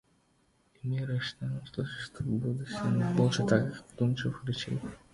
И мы рассчитываем услышать в будущем больше таких вдумчивых речей.